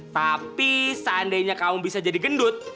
tapi seandainya kaum bisa jadi gendut